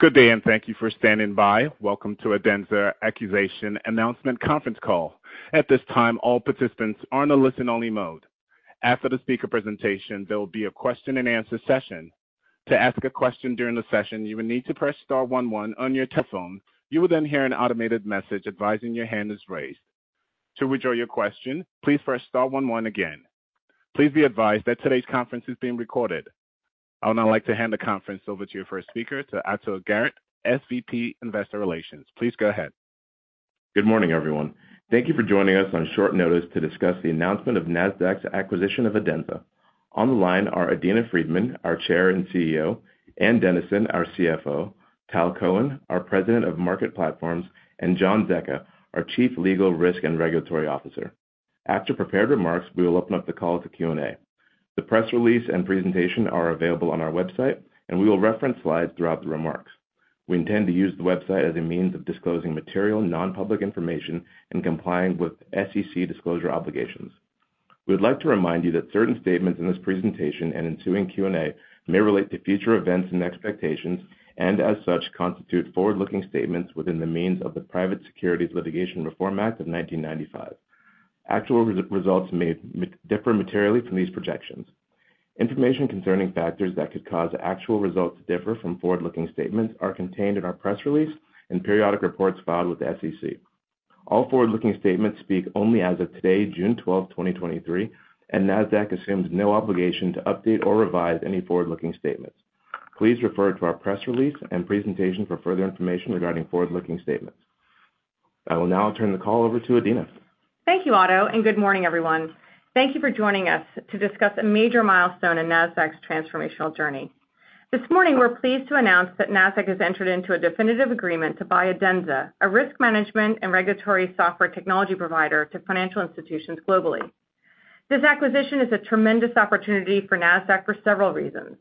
Good day, and thank you for standing by. Welcome to Adenza Acquisition announcement conference call. At this time, all participants are on a listen-only mode. After the speaker presentation, there will be a question-and-answer session. To ask a question during the session, you will need to press star one one on your telephone. You will then hear an automated message advising your hand is raised. To withdraw your question, please press star one one again. Please be advised that today's conference is being recorded. I would now like to hand the conference over to your first speaker, to Ato Garrett, SVP, Investor Relations. Please go ahead. Good morning, everyone. Thank you for joining us on short notice to discuss the announcement of Nasdaq's acquisition of Adenza. On the line are Adena Friedman, our Chair and CEO, Ann Dennison, our CFO, Tal Cohen, our President of Market Platforms, and John Zecca, our Chief Legal, Risk, and Regulatory Officer. After prepared remarks, we will open up the call to Q&A. The press release and presentation are available on our website, and we will reference slides throughout the remarks. We intend to use the website as a means of disclosing material, non-public information and complying with SEC disclosure obligations. We'd like to remind you that certain statements in this presentation and ensuing Q&A may relate to future events and expectations, and as such, constitute forward-looking statements within the means of the Private Securities Litigation Reform Act of 1995. Actual results may differ materially from these projections. Information concerning factors that could cause actual results to differ from forward-looking statements are contained in our press release and periodic reports filed with the SEC. All forward-looking statements speak only as of today, June 12th, 2023, and Nasdaq assumes no obligation to update or revise any forward-looking statements. Please refer to our press release and presentation for further information regarding forward-looking statements. I will now turn the call over to Adena. Thank you, Ato. Good morning, everyone. Thank you for joining us to discuss a major milestone in Nasdaq's transformational journey. This morning, we're pleased to announce that Nasdaq has entered into a definitive agreement to buy Adenza, a risk management and regulatory software technology provider to financial institutions globally. This acquisition is a tremendous opportunity for Nasdaq for several reasons.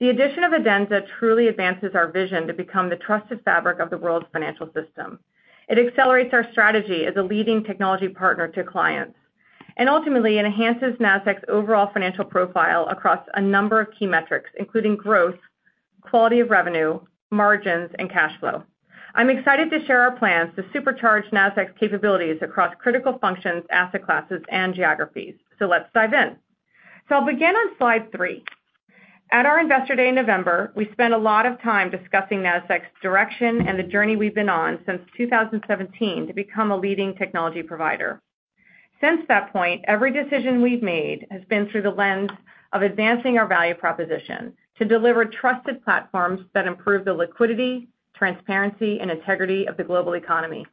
The addition of Adenza truly advances our vision to become the trusted fabric of the world's financial system. It accelerates our strategy as a leading technology partner to clients, and ultimately, it enhances Nasdaq's overall financial profile across a number of key metrics, including growth, quality of revenue, margins, and cash flow. I'm excited to share our plans to supercharge Nasdaq's capabilities across critical functions, asset classes, and geographies. Let's dive in. I'll begin on slide three. At our Investor Day in November, we spent a lot of time discussing Nasdaq's direction and the journey we've been on since 2017 to become a leading technology provider. Since that point, every decision we've made has been through the lens of advancing our value proposition to deliver trusted platforms that improve the liquidity, transparency, and integrity of the global economy.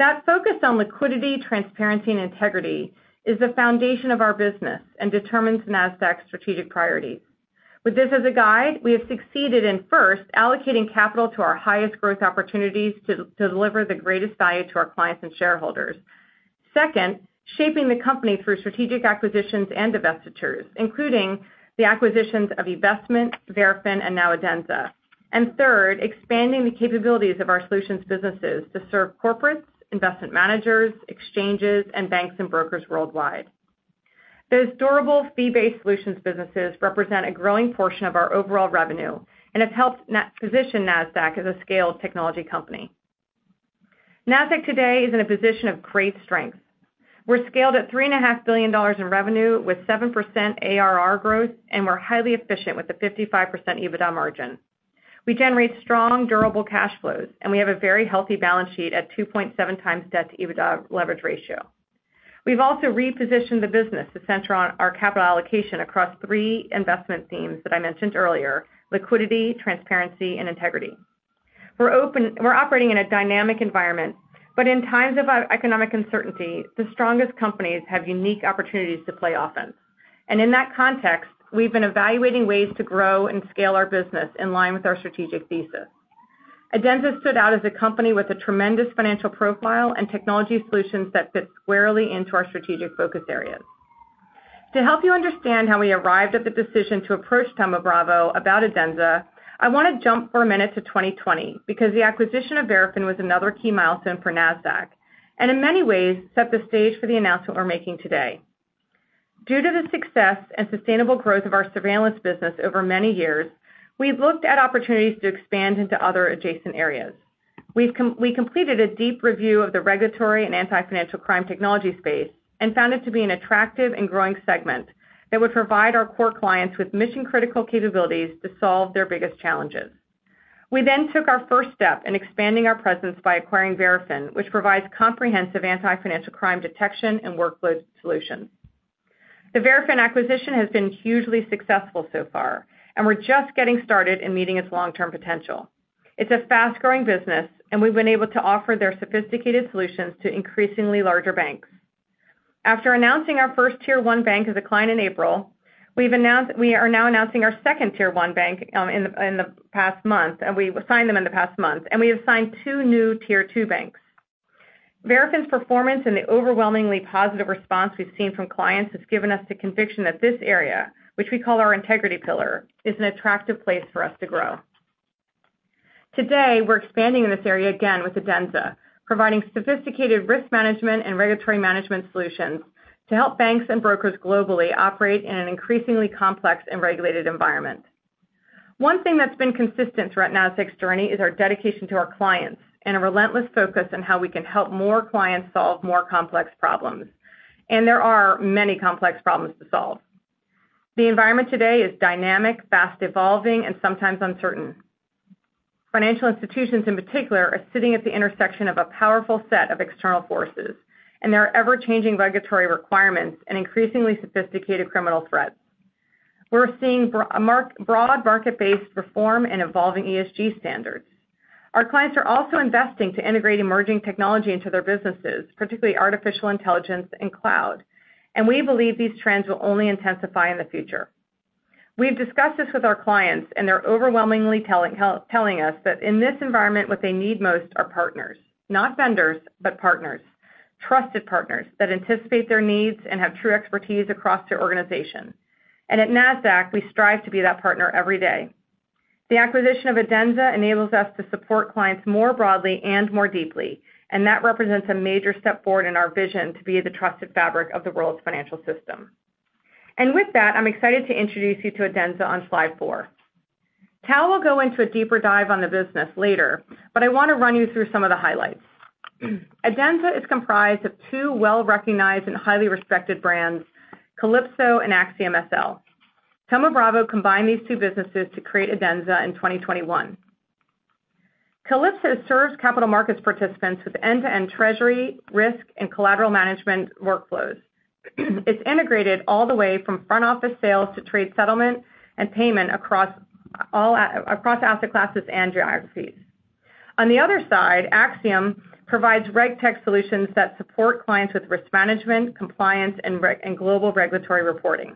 That focus on liquidity, transparency, and integrity is the foundation of our business and determines Nasdaq's strategic priorities. With this as a guide, we have succeeded in, first, allocating capital to our highest growth opportunities to deliver the greatest value to our clients and shareholders. Second, shaping the company through strategic acquisitions and divestitures, including the acquisitions of eVestment, Verafin, and now Adenza. Third, expanding the capabilities of our solutions businesses to serve corporates, investment managers, exchanges, and banks and brokers worldwide. Those durable, fee-based solutions businesses represent a growing portion of our overall revenue and have helped position Nasdaq as a scaled technology company. Nasdaq today is in a position of great strength. We're scaled at $3.5 billion in revenue with 7% ARR growth, we're highly efficient with a 55% EBITDA margin. We generate strong, durable cash flows, we have a very healthy balance sheet at 2.7x debt-to-EBITDA leverage ratio. We've also repositioned the business to center on our capital allocation across three investment themes that I mentioned earlier: liquidity, transparency, and integrity. We're operating in a dynamic environment, in times of economic uncertainty, the strongest companies have unique opportunities to play offense. In that context, we've been evaluating ways to grow and scale our business in line with our strategic thesis. Adenza stood out as a company with a tremendous financial profile and technology solutions that fit squarely into our strategic focus areas. To help you understand how we arrived at the decision to approach Thoma Bravo about Adenza, I want to jump for a minute to 2020. The acquisition of Verafin was another key milestone for Nasdaq, and in many ways, set the stage for the announcement we're making today. Due to the success and sustainable growth of our surveillance business over many years, We completed a deep review of the regulatory and anti-financial crime technology space and found it to be an attractive and growing segment that would provide our core clients with mission-critical capabilities to solve their biggest challenges. We took our first step in expanding our presence by acquiring Verafin, which provides comprehensive anti-financial crime detection and workload solutions. The Verafin acquisition has been hugely successful so far, and we're just getting started in meeting its long-term potential. It's a fast-growing business, and we've been able to offer their sophisticated solutions to increasingly larger banks. After announcing our first Tier One bank as a client in April, we are now announcing our second Tier One bank in the past month, and we've signed them in the past month, and we have signed two new Tier Two banks. Verafin's performance and the overwhelmingly positive response we've seen from clients has given us the conviction that this area, which we call our integrity pillar, is an attractive place for us to grow. Today, we're expanding in this area again with Adenza, providing sophisticated risk management and regulatory management solutions to help banks and brokers globally operate in an increasingly complex and regulated environment. One thing that's been consistent throughout Nasdaq's journey is our dedication to our clients and a relentless focus on how we can help more clients solve more complex problems. There are many complex problems to solve. The environment today is dynamic, fast evolving, and sometimes uncertain. Financial institutions, in particular, are sitting at the intersection of a powerful set of external forces, and there are ever-changing regulatory requirements and increasingly sophisticated criminal threats. We're seeing broad market-based reform and evolving ESG standards. Our clients are also investing to integrate emerging technology into their businesses, particularly artificial intelligence and cloud, and we believe these trends will only intensify in the future. We've discussed this with our clients, they're overwhelmingly telling us that in this environment, what they need most are partners, not vendors, but partners, trusted partners that anticipate their needs and have true expertise across their organization. At Nasdaq, we strive to be that partner every day. The acquisition of Adenza enables us to support clients more broadly and more deeply, and that represents a major step forward in our vision to be the trusted fabric of the world's financial system. With that, I'm excited to introduce you to Adenza on slide four. Tal will go into a deeper dive on the business later, but I want to run you through some of the highlights. Adenza is comprised of two well-recognized and highly respected brands, Calypso and AxiomSL. Thoma Bravo combined these two businesses to create Adenza in 2021. Calypso serves capital markets participants with end-to-end treasury, risk, and collateral management workflows. It's integrated all the way from front office sales to trade settlement and payment across asset classes and geographies. Axiom provides RegTech solutions that support clients with risk management, compliance, and global regulatory reporting.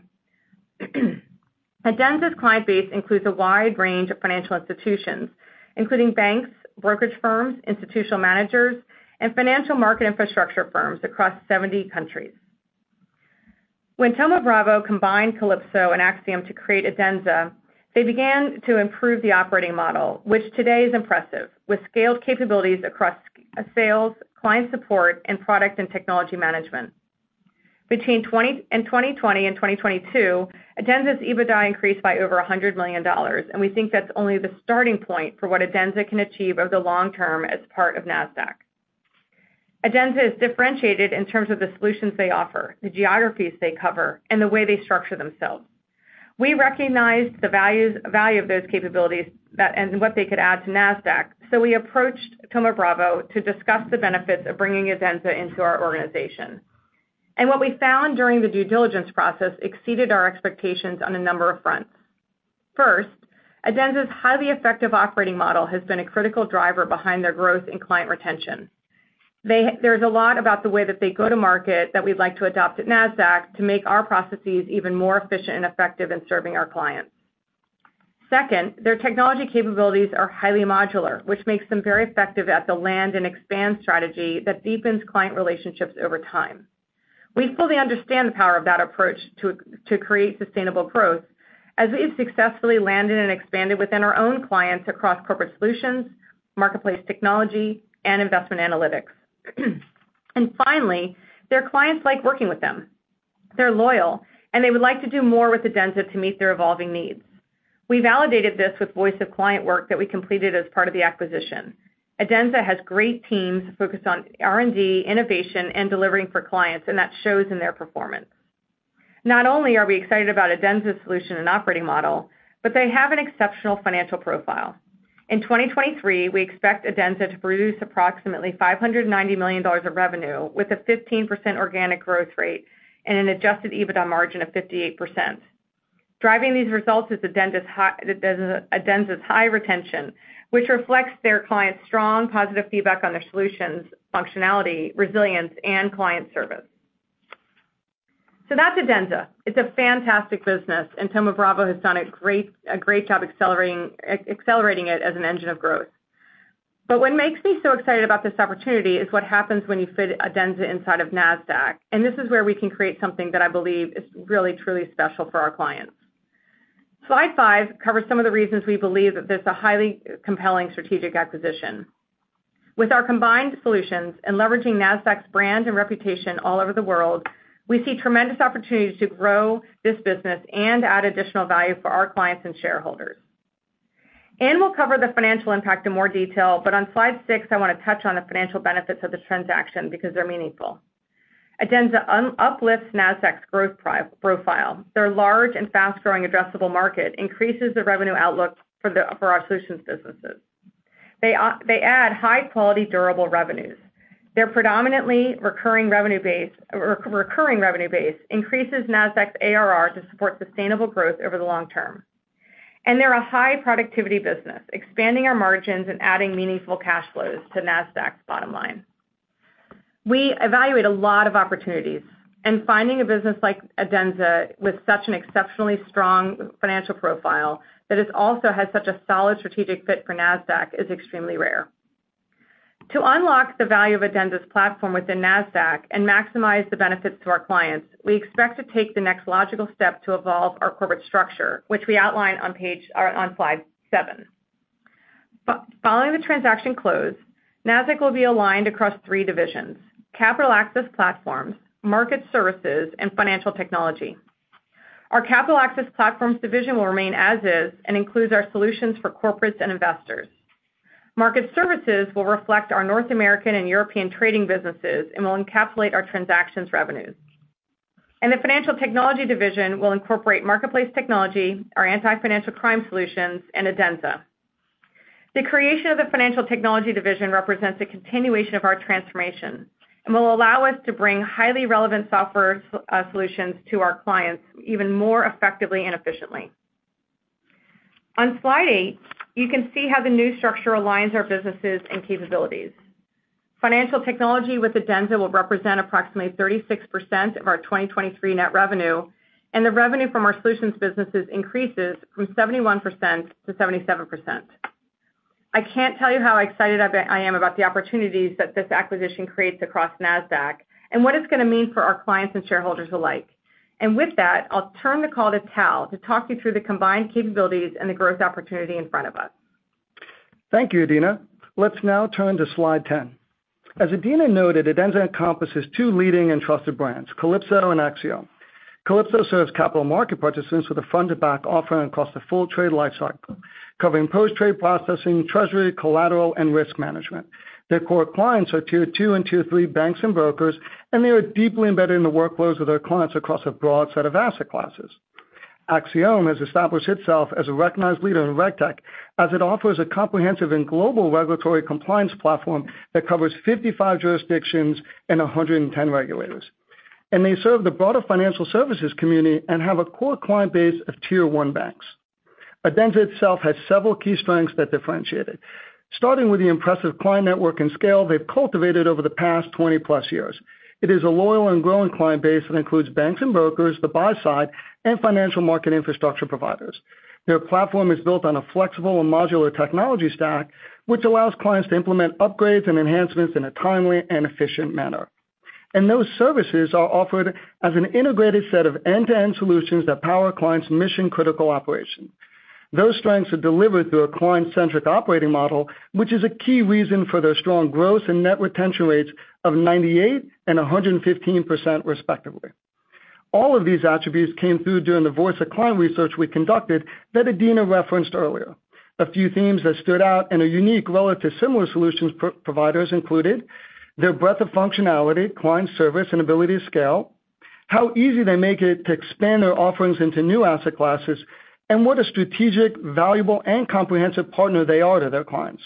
Adenza's client base includes a wide range of financial institutions, including banks, brokerage firms, institutional managers, and financial market infrastructure firms across 70 countries. Thoma Bravo combined Calypso and Axiom to create Adenza, they began to improve the operating model, which today is impressive, with scaled capabilities across sales, client support, and product and technology management. Between 2020 and 2022, Adenza's EBITDA increased by over $100 million, and we think that's only the starting point for what Adenza can achieve over the long term as part of Nasdaq. Adenza is differentiated in terms of the solutions they offer, the geographies they cover, and the way they structure themselves. We recognized the value of those capabilities and what they could add to Nasdaq, so we approached Thoma Bravo to discuss the benefits of bringing Adenza into our organization. What we found during the due diligence process exceeded our expectations on a number of fronts. First, Adenza's highly effective operating model has been a critical driver behind their growth in client retention. There's a lot about the way that they go to market that we'd like to adopt at Nasdaq to make our processes even more efficient and effective in serving our clients. Second, their technology capabilities are highly modular, which makes them very effective at the land and expand strategy that deepens client relationships over time. We fully understand the power of that approach to create sustainable growth, as we've successfully landed and expanded within our own clients across corporate solutions, marketplace technology, and investment analytics. Finally, their clients like working with them. They're loyal, and they would like to do more with Adenza to meet their evolving needs. We validated this with voice-of-client work that we completed as part of the acquisition. Adenza has great teams focused on R&D, innovation, and delivering for clients, and that shows in their performance. Not only are we excited about Adenza's solution and operating model, but they have an exceptional financial profile. In 2023, we expect Adenza to produce approximately $590 million of revenue, with a 15% organic growth rate and an adjusted EBITDA margin of 58%. Driving these results is Adenza's high retention, which reflects their clients' strong, positive feedback on their solutions, functionality, resilience, and client service. That's Adenza. It's a fantastic business, and Thoma Bravo has done a great job accelerating it as an engine of growth. What makes me so excited about this opportunity is what happens when you fit Adenza inside of Nasdaq, and this is where we can create something that I believe is really, truly special for our clients. Slide five covers some of the reasons we believe that this is a highly compelling strategic acquisition. With our combined solutions and leveraging Nasdaq's brand and reputation all over the world, we see tremendous opportunities to grow this business and add additional value for our clients and shareholders. On slide six, I want to touch on the financial benefits of this transaction because they're meaningful. Adenza uplifts Nasdaq's growth profile. Their large and fast-growing addressable market increases the revenue outlook for our solutions businesses. They add high-quality, durable revenues. Their predominantly recurring revenue base increases Nasdaq's ARR to support sustainable growth over the long term. They're a high-productivity business, expanding our margins and adding meaningful cash flows to Nasdaq's bottom line. We evaluate a lot of opportunities, and finding a business like Adenza with such an exceptionally strong financial profile that has also had such a solid strategic fit for Nasdaq is extremely rare. To unlock the value of Adenza's platform within Nasdaq and maximize the benefits to our clients, we expect to take the next logical step to evolve our corporate structure, which we outline on slide seven. Following the transaction close, Nasdaq will be aligned across three divisions: Capital Access Platforms, Market Services, and Financial Technology. Our Capital Access Platforms division will remain as is, includes our solutions for corporates and investors. Market Services will reflect our North American and European trading businesses will encapsulate our transactions revenues. The Financial Technology division will incorporate marketplace technology, our anti-financial crime solutions, and Adenza. The creation of the Financial Technology division represents a continuation of our transformation, and will allow us to bring highly relevant software solutions to our clients even more effectively and efficiently. On slide eight, you can see how the new structure aligns our businesses and capabilities. Financial Technology with Adenza will represent approximately 36% of our 2023 net revenue, and the revenue from our solutions businesses increases from 71%-77%. I can't tell you how excited I am about the opportunities that this acquisition creates across Nasdaq, and what it's gonna mean for our clients and shareholders alike. With that, I'll turn the call to Tal to talk you through the combined capabilities and the growth opportunity in front of us. Thank you, Adena. Let's now turn to slide 10. As Adena noted, Adenza encompasses two leading and trusted brands, Calypso and Axiom. Calypso serves capital market participants with a front-to-back offering across the full trade lifecycle, covering post-trade processing, treasury, collateral, and risk management. Their core clients are Tier Two and Tier Three banks and brokers. They are deeply embedded in the workflows of their clients across a broad set of asset classes. Axiom has established itself as a recognized leader in RegTech, as it offers a comprehensive and global regulatory compliance platform that covers 55 jurisdictions and 110 regulators. They serve the broader financial services community and have a core client base of Tier One banks. Adenza itself has several key strengths that differentiate it, starting with the impressive client network and scale they've cultivated over the past 20+ years. It is a loyal and growing client base that includes banks and brokers, the buy side, and financial market infrastructure providers. Their platform is built on a flexible and modular technology stack, which allows clients to implement upgrades and enhancements in a timely and efficient manner. Those services are offered as an integrated set of end-to-end solutions that power clients' mission-critical operation. Those strengths are delivered through a client-centric operating model, which is a key reason for their strong growth and net retention rates of 98% and 115%, respectively. All of these attributes came through during the voice-of-client research we conducted that Adena referenced earlier. A few themes that stood out in a unique relative similar solutions providers included: their breadth of functionality, client service, and ability to scale, how easy they make it to expand their offerings into new asset classes, and what a strategic, valuable, and comprehensive partner they are to their clients.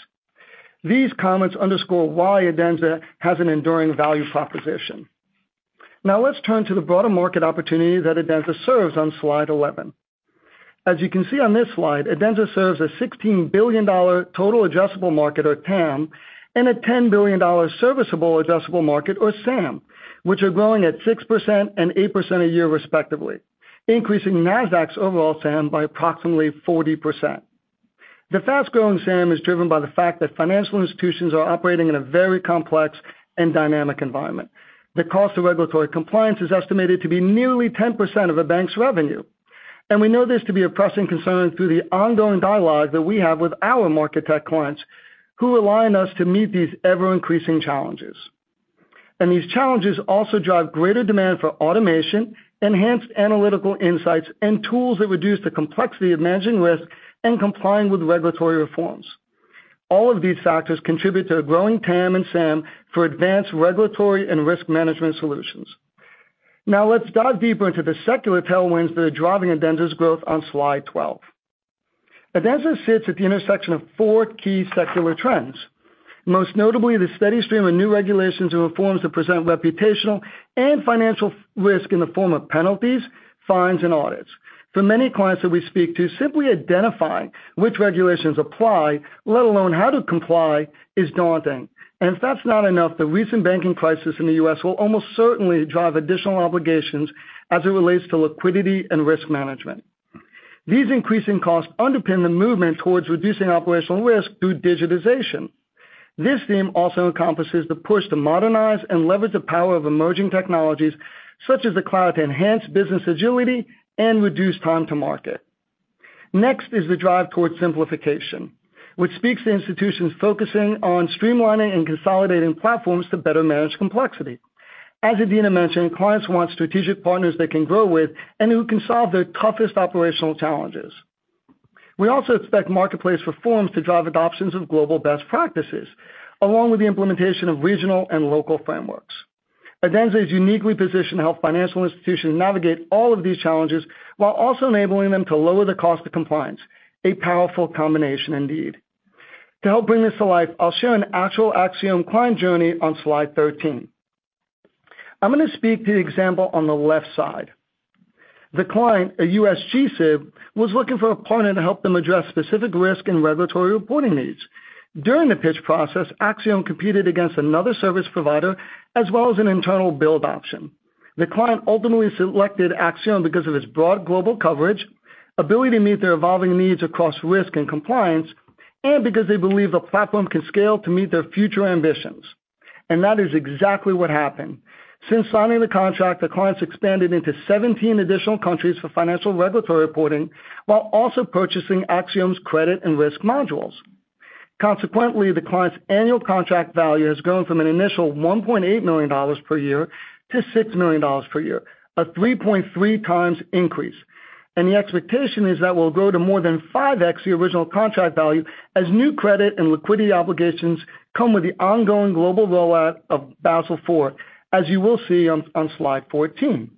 These comments underscore why Adenza has an enduring value proposition. Let's turn to the broader market opportunity that Adenza serves on slide 11. As you can see on this slide, Adenza serves a $16 billion total addressable market, or TAM, and a $10 billion serviceable addressable market, or SAM, which are growing at 6% and 8% a year, respectively, increasing Nasdaq's overall SAM by approximately 40%. The fast-growing SAM is driven by the fact that financial institutions are operating in a very complex and dynamic environment. The cost of regulatory compliance is estimated to be nearly 10% of a bank's revenue. We know this to be a pressing concern through the ongoing dialogue that we have with our market tech clients, who align us to meet these ever-increasing challenges. These challenges also drive greater demand for automation, enhanced analytical insights, and tools that reduce the complexity of managing risk and complying with regulatory reforms. All of these factors contribute to a growing TAM and SAM for advanced regulatory and risk management solutions. Now, let's dive deeper into the secular tailwinds that are driving Adenza's growth on slide 12. Adenza sits at the intersection of four key secular trends, most notably, the steady stream of new regulations and reforms that present reputational and financial risk in the form of penalties, fines, and audits. For many clients that we speak to, simply identifying which regulations apply, let alone how to comply, is daunting. If that's not enough, the recent banking crisis in the U.S. will almost certainly drive additional obligations as it relates to liquidity and risk management. These increasing costs underpin the movement towards reducing operational risk through digitization. This theme also encompasses the push to modernize and leverage the power of emerging technologies, such as the cloud, to enhance business agility and reduce time to market. Next is the drive towards simplification, which speaks to institutions focusing on streamlining and consolidating platforms to better manage complexity. As Adena mentioned, clients want strategic partners they can grow with and who can solve their toughest operational challenges. We also expect marketplace reforms to drive adoptions of global best practices, along with the implementation of regional and local frameworks. Adenza is uniquely positioned to help financial institutions navigate all of these challenges while also enabling them to lower the cost of compliance, a powerful combination indeed. To help bring this to life, I'll share an actual Axiom client journey on slide 13. I'm gonna speak to the example on the left side. The client, a U.S. G-SIB, was looking for a partner to help them address specific risk and regulatory reporting needs. During the pitch process, Axiom competed against another service provider, as well as an internal build option. The client ultimately selected Axiom because of its broad global coverage, ability to meet their evolving needs across risk and compliance, and because they believe the platform can scale to meet their future ambitions. That is exactly what happened. Since signing the contract, the client's expanded into 17 additional countries for financial regulatory reporting, while also purchasing Axiom's credit and risk modules. Consequently, the client's annual contract value has grown from an initial $1.8 million per year to $6 million per year, a 3.3x increase. The expectation is that will grow to more than 5x the original contract value, as new credit and liquidity obligations come with the ongoing global rollout of Basel IV, as you will see on slide 14.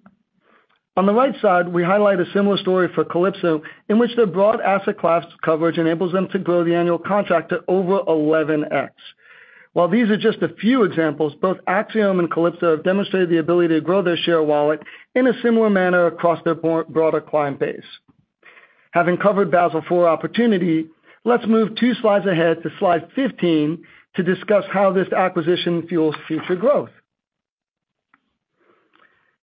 On the right side, we highlight a similar story for Calypso, in which their broad asset class coverage enables them to grow the annual contract to over 11x. While these are just a few examples, both Axiom and Calypso have demonstrated the ability to grow their share wallet in a similar manner across their broader client base. Having covered Basel IV opportunity, let's move two slides ahead to slide 15, to discuss how this acquisition fuels future growth.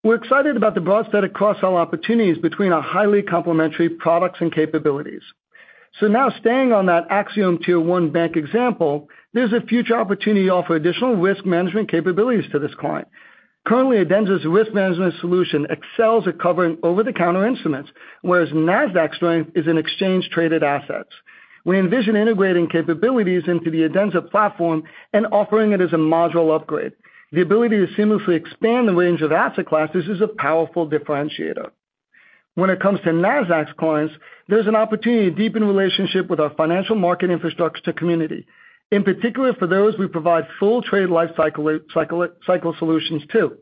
We're excited about the broad set of cross-sell opportunities between our highly complementary products and capabilities. Now, staying on that Axiom Tier One bank example, there's a future opportunity to offer additional risk management capabilities to this client. Currently, Adenza's risk management solution excels at covering over-the-counter instruments, whereas Nasdaq's strength is in exchange-traded assets. We envision integrating capabilities into the Adenza platform and offering it as a module upgrade. The ability to seamlessly expand the range of asset classes is a powerful differentiator. When it comes to Nasdaq's clients, there's an opportunity to deepen relationship with our financial market infrastructure community, in particular, for those we provide full trade life cycle solutions to.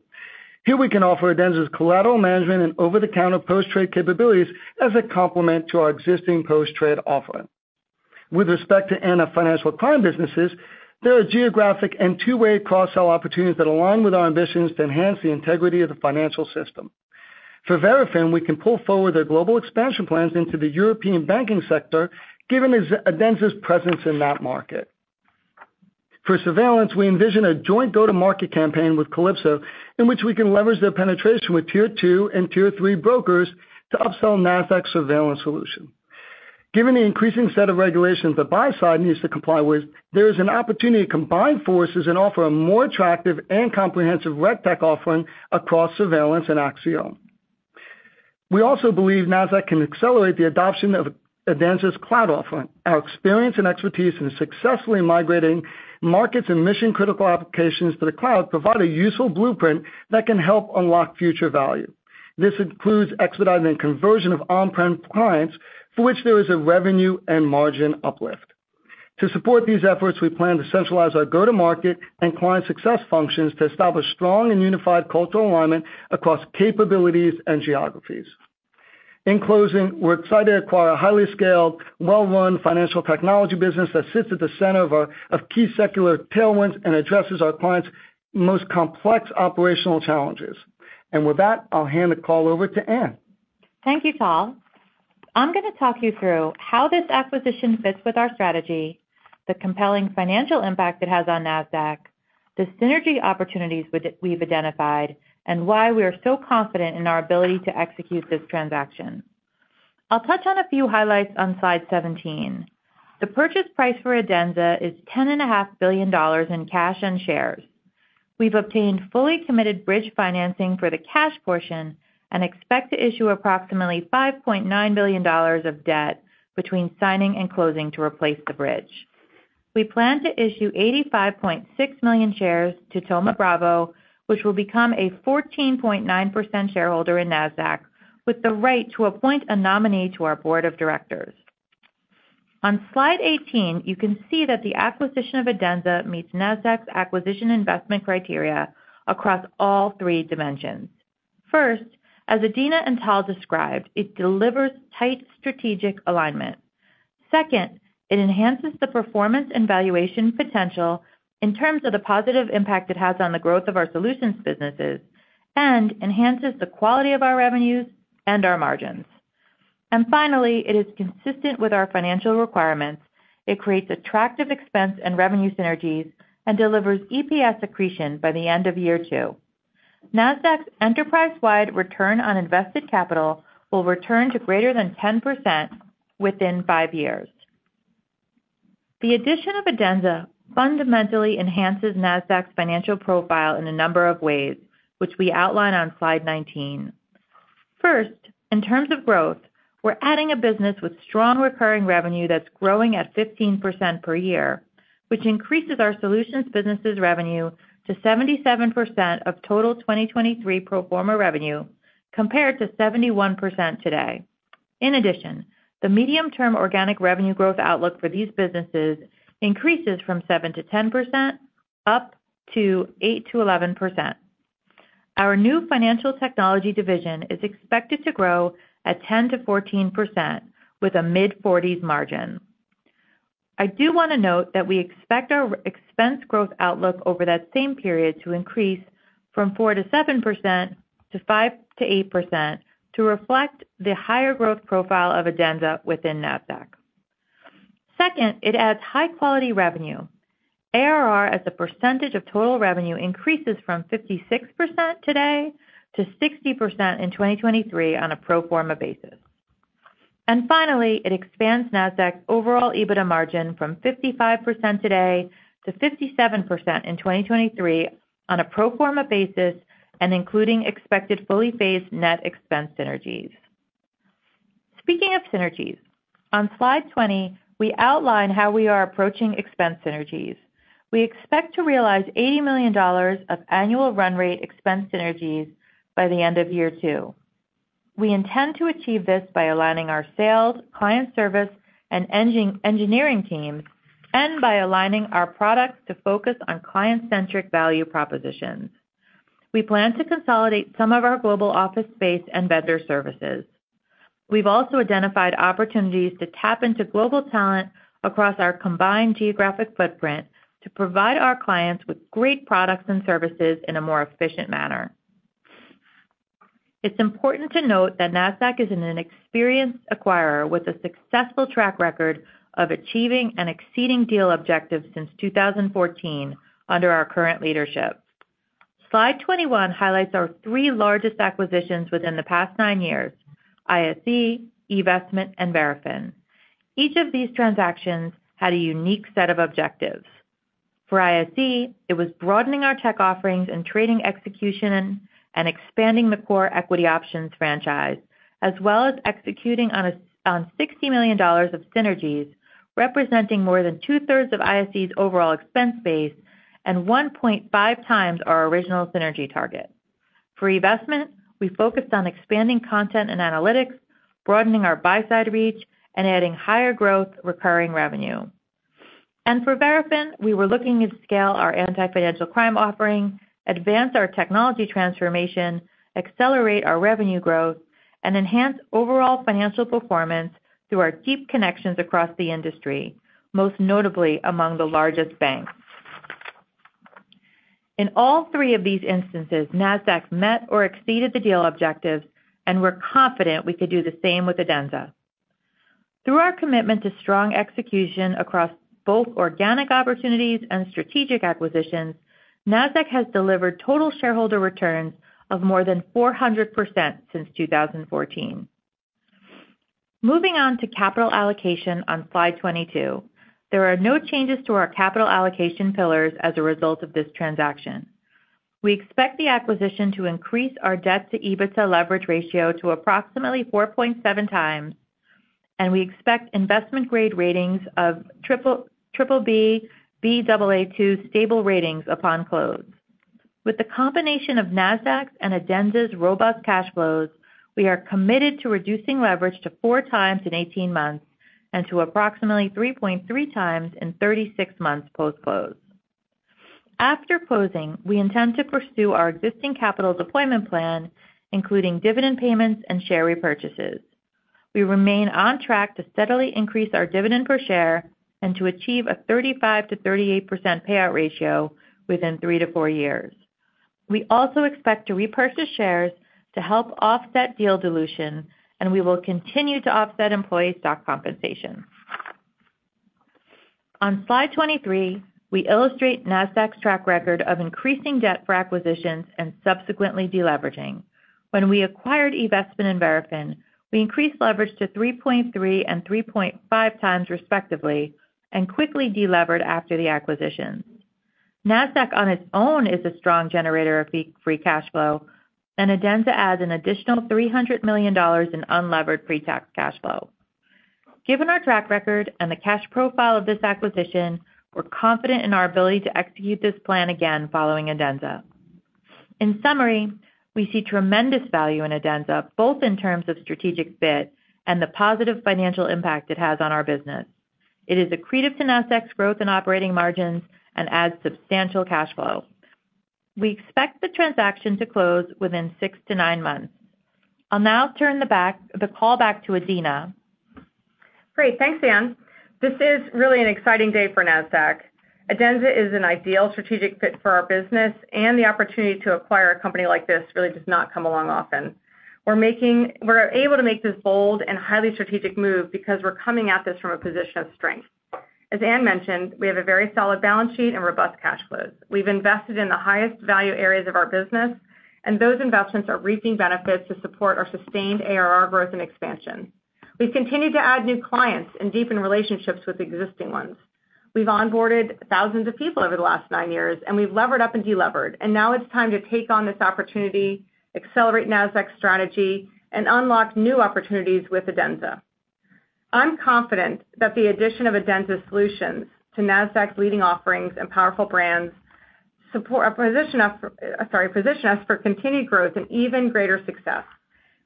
Here we can offer Adenza's collateral management and over-the-counter post-trade capabilities as a complement to our existing post-trade offering. With respect to anti-financial crime client businesses, there are geographic and two-way cross-sell opportunities that align with our ambitions to enhance the integrity of the financial system. For Verafin, we can pull forward their global expansion plans into the European banking sector, given Adenza's presence in that market. For surveillance, we envision a joint go-to-market campaign with Calypso, in which we can leverage their penetration with Tier Two and Tier Three brokers to upsell Nasdaq's surveillance solution. Given the increasing set of regulations that buy side needs to comply with, there is an opportunity to combine forces and offer a more attractive and comprehensive RegTech offering across surveillance and Axiom. We also believe Nasdaq can accelerate the adoption of Adenza's cloud offering. Our experience and expertise in successfully migrating markets and mission-critical applications to the cloud provide a useful blueprint that can help unlock future value. This includes expediting conversion of on-prem clients, for which there is a revenue and margin uplift. To support these efforts, we plan to centralize our go-to-market and client success functions to establish strong and unified cultural alignment across capabilities and geographies. In closing, we're excited to acquire a highly scaled, well-run Financial Technology business that sits at the center of key secular tailwinds and addresses our clients' most complex operational challenges. With that, I'll hand the call over to Ann. Thank you, Tal. I'm gonna talk you through how this acquisition fits with our strategy, the compelling financial impact it has on Nasdaq, the synergy opportunities which we've identified, and why we are so confident in our ability to execute this transaction. I'll touch on a few highlights on slide 17. The purchase price for Adenza is $10.5 billion in cash and shares. We've obtained fully committed bridge financing for the cash portion and expect to issue approximately $5.9 billion of debt between signing and closing to replace the bridge. We plan to issue 85.6 million shares to Thoma Bravo, which will become a 14.9% shareholder in Nasdaq, with the right to appoint a nominee to our board of directors. On slide 18, you can see that the acquisition of Adenza meets Nasdaq's acquisition investment criteria across all three dimensions. First, as Adena and Tal described, it delivers tight strategic alignment. Second, it enhances the performance and valuation potential in terms of the positive impact it has on the growth of our solutions businesses and enhances the quality of our revenues and our margins. Finally, it is consistent with our financial requirements. It creates attractive expense and revenue synergies and delivers EPS accretion by the end of year two. Nasdaq's enterprise-wide return on invested capital will return to greater than 10% within five years. The addition of Adenza fundamentally enhances Nasdaq's financial profile in a number of ways, which we outline on slide 19. First, in terms of growth, we're adding a business with strong recurring revenue that's growing at 15% per year, which increases our solutions businesses revenue to 77% of total 2023 pro forma revenue, compared to 71% today. In addition, the medium-term organic revenue growth outlook for these businesses increases from 7%-10%, up to 8%-11%. Our new Financial Technology division is expected to grow at 10%-14%, with a mid-40s margin. I do want to note that we expect our expense growth outlook over that same period to increase from 4%-7% to 5%-8%, to reflect the higher growth profile of Adenza within Nasdaq. Second, it adds high-quality revenue. ARR, as a percentage of total revenue, increases from 56% today to 60% in 2023 on a pro forma basis.... Finally, it expands Nasdaq's overall EBITDA margin from 55% today to 57% in 2023 on a pro forma basis and including expected fully phased net expense synergies. Speaking of synergies, on slide 20, we outline how we are approaching expense synergies. We expect to realize $80 million of annual run rate expense synergies by the end of year two. We intend to achieve this by aligning our sales, client service, and engineering teams, and by aligning our products to focus on client-centric value propositions. We plan to consolidate some of our global office space and vendor services. We've also identified opportunities to tap into global talent across our combined geographic footprint, to provide our clients with great products and services in a more efficient manner. It's important to note that Nasdaq is an experienced acquirer with a successful track record of achieving and exceeding deal objectives since 2014 under our current leadership. slide 21 highlights our three largest acquisitions within the past nine years: ISE, eVestment, and Verafin. Each of these transactions had a unique set of objectives. For ISE, it was broadening our tech offerings and trading execution and expanding the core equity options franchise, as well as executing on $60 million of synergies, representing more than 2/3 of ISE's overall expense base and 1.5x our original synergy target. For eVestment, we focused on expanding content and analytics, broadening our buy-side reach, and adding higher growth recurring revenue. For Verafin, we were looking to scale our anti-financial crime offering, advance our technology transformation, accelerate our revenue growth, and enhance overall financial performance through our deep connections across the industry, most notably among the largest banks. In all three of these instances, Nasdaq met or exceeded the deal objectives, and we're confident we could do the same with Adenza. Through our commitment to strong execution across both organic opportunities and strategic acquisitions, Nasdaq has delivered total shareholder returns of more than 400% since 2014. Moving on to capital allocation on slide 22. There are no changes to our capital allocation pillars as a result of this transaction. We expect the acquisition to increase our debt-to-EBITDA leverage ratio to approximately 4.7x, and we expect investment-grade ratings of triple-B, Baa2 stable ratings upon close. With the combination of Nasdaq's and Adenza's robust cash flows, we are committed to reducing leverage to 4x in 18 months and to approximately 3.3x in 36 months post-close. After closing, we intend to pursue our existing capital deployment plan, including dividend payments and share repurchases. We remain on track to steadily increase our dividend per share and to achieve a 35%-38% payout ratio within 3 years - 4 years. We also expect to repurchase shares to help offset deal dilution, and we will continue to offset employee stock compensation. On slide 23, we illustrate Nasdaq's track record of increasing debt for acquisitions and subsequently deleveraging. When we acquired eVestment and Verafin, we increased leverage to 3.3x and 3.5x, respectively, and quickly delevered after the acquisitions. Nasdaq, on its own, is a strong generator of free cash flow. Adenza adds an additional $300 million in unlevered pre-tax cash flow. Given our track record and the cash profile of this acquisition, we're confident in our ability to execute this plan again following Adenza. In summary, we see tremendous value in Adenza, both in terms of strategic fit and the positive financial impact it has on our business. It is accretive to Nasdaq's growth and operating margins and adds substantial cash flow. We expect the transaction to close within 6 months-9 months. I'll now turn the call back to Adena. Great. Thanks, Ann. This is really an exciting day for Nasdaq. Adenza is an ideal strategic fit for our business. The opportunity to acquire a company like this really does not come along often. We're able to make this bold and highly strategic move because we're coming at this from a position of strength. As Ann mentioned, we have a very solid balance sheet and robust cash flows. We've invested in the highest value areas of our business. Those investments are reaping benefits to support our sustained ARR growth and expansion. We've continued to add new clients and deepen relationships with existing ones. We've onboarded thousands of people over the last nine years. We've levered up and delevered. Now it's time to take on this opportunity, accelerate Nasdaq's strategy, and unlock new opportunities with Adenza. I'm confident that the addition of Adenza solutions to Nasdaq's leading offerings and powerful brands position us for continued growth and even greater success.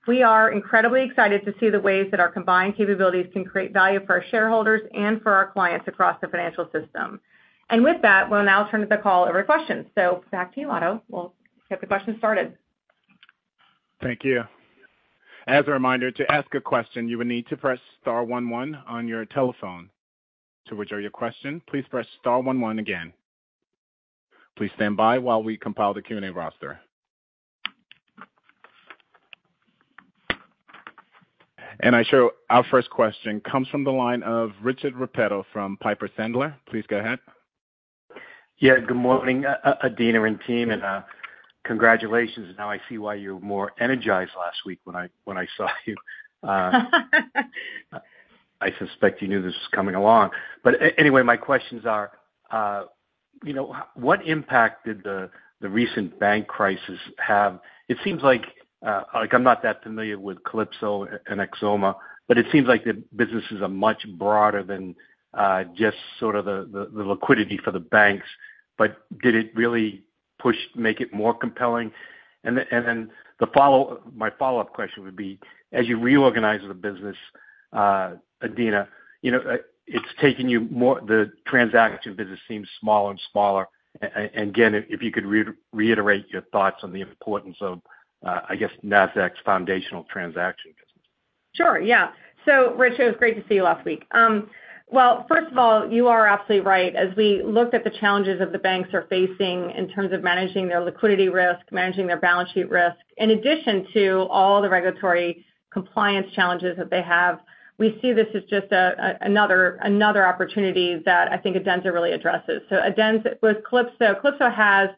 We are incredibly excited to see the ways that our combined capabilities can create value for our shareholders and for our clients across the financial system. With that, we'll now turn the call over to questions. Back to you, Ato. We'll get the questions started. Thank you. As a reminder, to ask a question, you will need to press star one one on your telephone. To withdraw your question, please press star one one again. Please stand by while we compile the Q&A roster. I show our first question comes from the line of Richard Repetto from Piper Sandler. Please go ahead.... Yeah, good morning, Adena and team, and congratulations. Now I see why you were more energized last week when I, when I saw you. I suspect you knew this was coming along. Anyway, my questions are, you know, what impact did the recent bank crisis have? It seems like I'm not that familiar with Calypso and AxiomSL, but it seems like the businesses are much broader than, just sort of the, the liquidity for the banks. But did it really push, make it more compelling? The, and then the follow-up, my follow-up question would be, as you reorganize the business, Adena, you know, the transaction business seems smaller and smaller. Again, if you could reiterate your thoughts on the importance of, I guess, Nasdaq's foundational transaction business? Sure, yeah. Rich, it was great to see you last week. Well, first of all, you are absolutely right. As we look at the challenges that the banks are facing in terms of managing their liquidity risk, managing their balance sheet risk, in addition to all the regulatory compliance challenges that they have, we see this as just another opportunity that I think Adenza really addresses. Adenza, with Calypso has,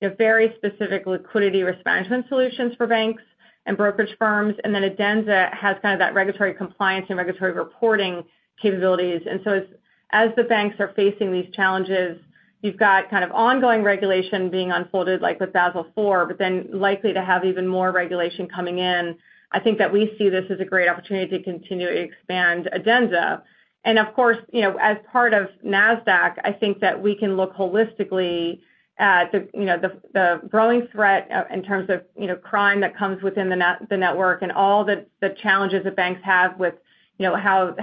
you know, very specific liquidity risk management solutions for banks and brokerage firms, and then Adenza has kind of that regulatory compliance and regulatory reporting capabilities. As the banks are facing these challenges, you've got kind of ongoing regulation being unfolded, like with Basel IV, likely to have even more regulation coming in. I think that we see this as a great opportunity to continue to expand Adenza. Of course, you know, as part of Nasdaq, I think that we can look holistically at the, you know, the growing threat, in terms of, you know, crime that comes within the network and all the challenges that banks have with, you know, how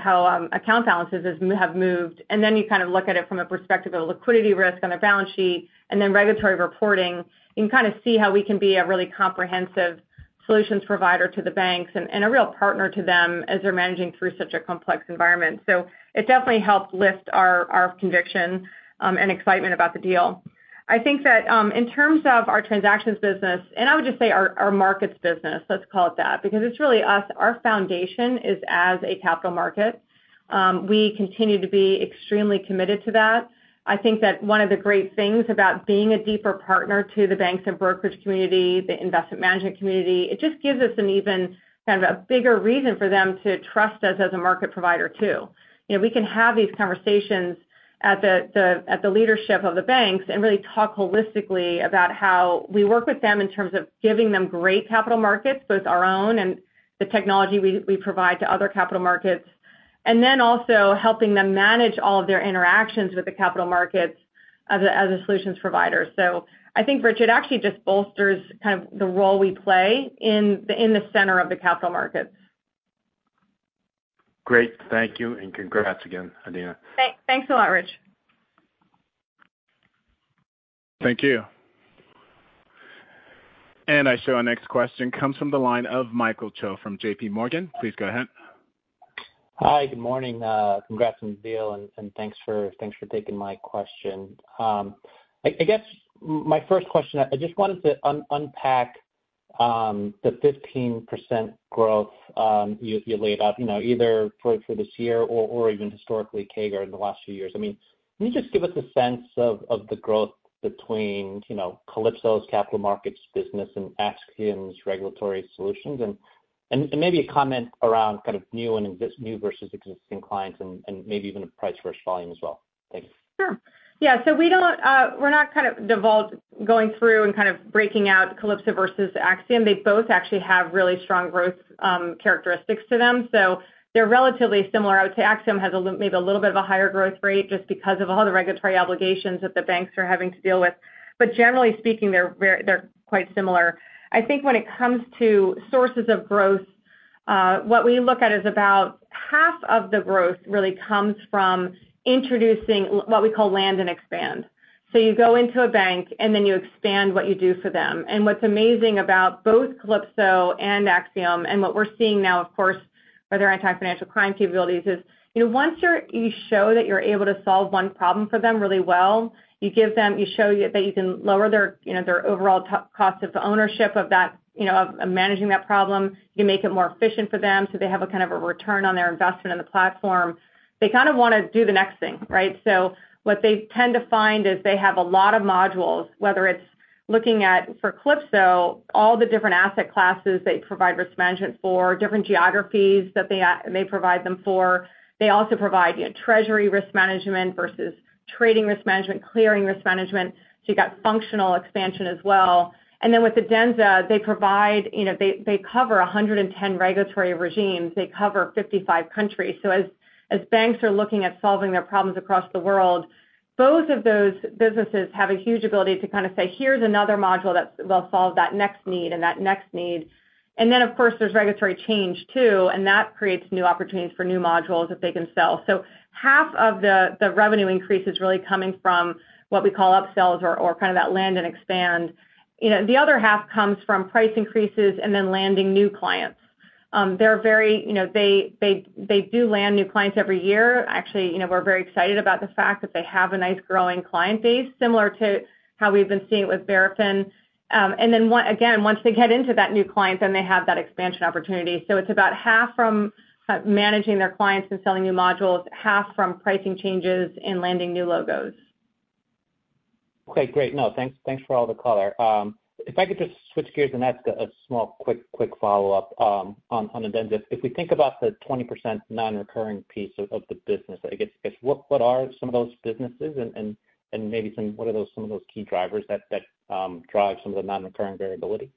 account balances have moved. Then you kind of look at it from a perspective of liquidity risk on a balance sheet and then regulatory reporting. You can kind of see how we can be a really comprehensive solutions provider to the banks and a real partner to them as they're managing through such a complex environment. It definitely helps lift our conviction, and excitement about the deal. I think that, in terms of our transactions business, I would just say our markets business, let's call it that, because it's really us, our foundation is as a capital market, we continue to be extremely committed to that. I think that one of the great things about being a deeper partner to the banks and brokerage community, the investment management community, it just gives us an even, kind of a bigger reason for them to trust us as a market provider, too. You know, we can have these conversations at the leadership of the banks and really talk holistically about how we work with them in terms of giving them great capital markets, both our own and the technology we provide to other capital markets, and then also helping them manage all of their interactions with the capital markets as a solutions provider. I think, Richard, actually just bolsters kind of the role we play in the center of the capital markets. Great. Thank you, and congrats again, Adena. Thanks a lot, Rich. Thank you. I show our next question comes from the line of Michael Cho from JP Morgan. Please go ahead. Hi, good morning. Congrats on the deal, and thanks for taking my question. I guess my first question, I just wanted to unpack the 15% growth you laid out, you know, either for this year or even historically, CAGR in the last few years. I mean, can you just give us a sense of the growth between, you know, Calypso's capital markets business and Axiom's regulatory solutions? Maybe a comment around kind of new versus existing clients and maybe even a price versus volume as well. Thanks. Sure. We don't, we're not kind of divulged going through and kind of breaking out Calypso versus Axiom. They both actually have really strong growth, characteristics to them, so they're relatively similar. I would say Axiom has maybe a little bit of a higher growth rate just because of all the regulatory obligations that the banks are having to deal with. Generally speaking, they're quite similar. I think when it comes to sources of growth, what we look at is about half of the growth really comes from introducing what we call land and expand. You go into a bank, and then you expand what you do for them. What's amazing about both Calypso and Axiom, and what we're seeing now, of course, are their anti-financial crime capabilities, is, you know, once you show that you're able to solve one problem for them really well, you give them, you show that you can lower their, you know, their overall cost of ownership of that, you know, of managing that problem. You make it more efficient for them, so they have a kind of a return on their investment in the platform. They kind of want to do the next thing, right? What they tend to find is they have a lot of modules, whether it's looking at, for Calypso, all the different asset classes, they provide risk management for, different geographies that they may provide them for. They also provide, you know, treasury risk management versus trading risk management, clearing risk management, so you've got functional expansion as well. Then with Adenza, they provide, you know, they cover 110 regulatory regimes. They cover 55 countries. As, as banks are looking at solving their problems across the world, both of those businesses have a huge ability to kind of say: Here's another module that will solve that next need and that next need. Then, of course, there's regulatory change, too, and that creates new opportunities for new modules that they can sell. Half of the revenue increase is really coming from what we call upsells or kind of that land and expand. You know, the other half comes from price increases and then landing new clients. They're very, you know, they do land new clients every year. Actually, you know, we're very excited about the fact that they have a nice, growing client base, similar to how we've been seeing it with Verafin. And again, once they get into that new client, then they have that expansion opportunity. It's about half from managing their clients and selling new modules, half from pricing changes and landing new logos. Great, great. No, thanks for all the color. If I could just switch gears, and that's a small, quick follow-up on Adenza. If we think about the 20% non-recurring piece of the business, I guess, what are some of those businesses and maybe some, what are those, some of those key drivers that drive some of the non-recurring variability?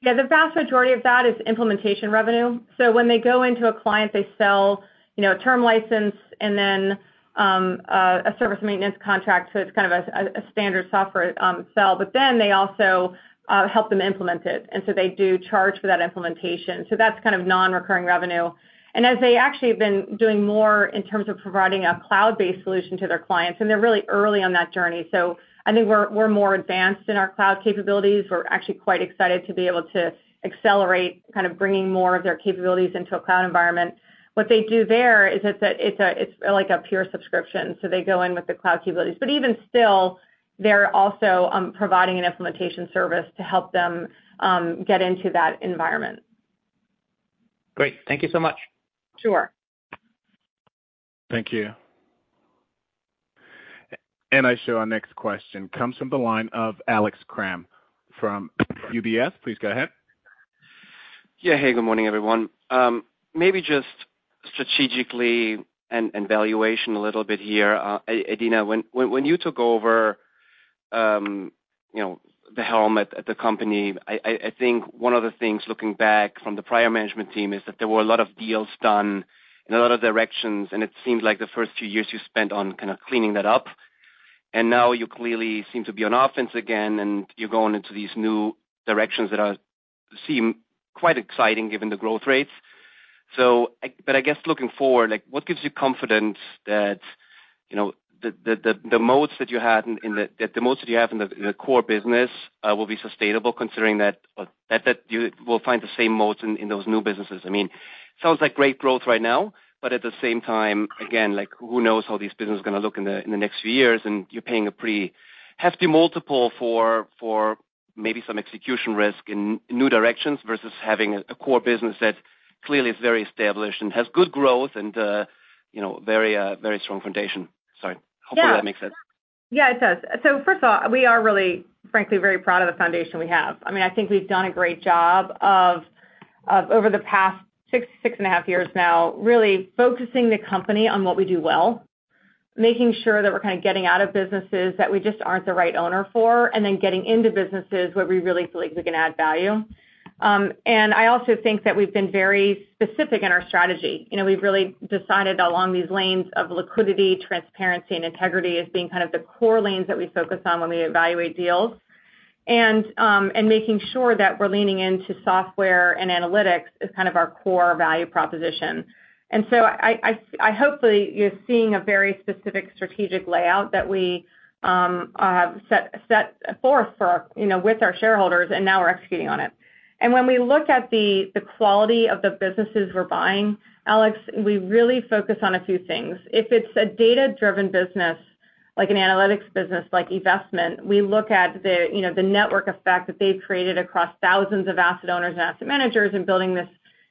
Yeah, the vast majority of that is implementation revenue. When they go into a client, they sell, you know, a term license and then, a service maintenance contract, so it's kind of a standard software sell. They also, help them implement it, and so they do charge for that implementation. That's kind of non-recurring revenue. As they actually have been doing more in terms of providing a cloud-based solution to their clients, and they're really early on that journey. I think we're more advanced in our cloud capabilities. We're actually quite excited to be able to accelerate kind of bringing more of their capabilities into a cloud environment. What they do there is it's like a pure subscription, so they go in with the cloud capabilities. Even still, they're also providing an implementation service to help them get into that environment. Great. Thank you so much. Sure. Thank you. I show our next question comes from the line of Alex Kramm from UBS. Please go ahead. Yeah. Hey, good morning, everyone. Maybe just strategically and valuation a little bit here. Adena, when you took over, you know, the helm at the company, I think one of the things, looking back from the prior management team, is that there were a lot of deals done in a lot of directions, and it seemed like the first few years you spent on kind of cleaning that up. Now you clearly seem to be on offense again, and you're going into these new directions that seem quite exciting given the growth rates. But I guess looking forward, like, what gives you confidence that, you know, the moats that you have in the core business will be sustainable, considering that you will find the same moats in those new businesses? I mean, sounds like great growth right now, but at the same time, again, like, who knows how this business is gonna look in the, in the next few years, and you're paying a pretty hefty multiple for maybe some execution risk in new directions, versus having a core business that clearly is very established and has good growth and, you know, very, very strong foundation. Sorry. Yeah. Hopefully that makes sense. Yeah, it does. First of all, we are really, frankly, very proud of the foundation we have. I mean, I think we've done a great job of over the past six and a half years now, really focusing the company on what we do well, making sure that we're kind of getting out of businesses that we just aren't the right owner for, and then getting into businesses where we really feel like we can add value. I also think that we've been very specific in our strategy. You know, we've really decided along these lanes of liquidity, transparency, and integrity as being kind of the core lanes that we focus on when we evaluate deals. Making sure that we're leaning into software and analytics is kind of our core value proposition. I hopefully you're seeing a very specific strategic layout that we set forth for, you know, with our shareholders, and now we're executing on it. When we look at the quality of the businesses we're buying, Alex, we really focus on a few things. If it's a data-driven business, like an analytics business, like eVestment, we look at the, you know, the network effect that they've created across thousands of asset owners and asset managers, and building this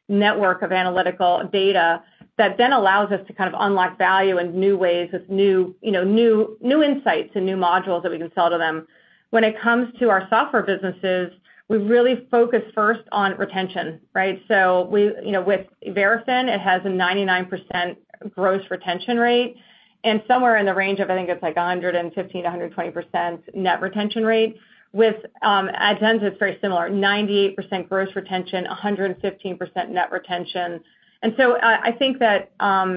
network of analytical data that then allows us to kind of unlock value in new ways, with new, you know, new insights and new modules that we can sell to them. When it comes to our software businesses, we really focus first on retention, right? We, you know, with Verafin, it has a 99% gross retention rate, and somewhere in the range of, I think it's like a 115%-120% net retention rate. With Adenza, it's very similar, 98% gross retention, 115% net retention. I think that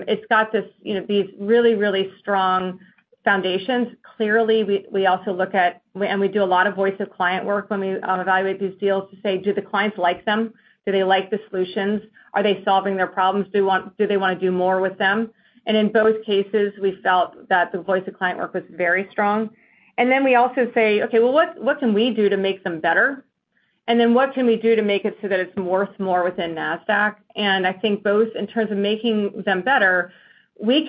it's got this, you know, these really, really strong foundations. Clearly, we also look at. We do a lot of voice of client work when we evaluate these deals to say: Do the clients like them? Do they like the solutions? Are they solving their problems? Do they wanna do more with them? And in both cases, we felt that the voice of client work was very strong. We also say, Okay, well, what can we do to make them better? What can we do to make it so that it's worth more within Nasdaq? I think both in terms of making them better, we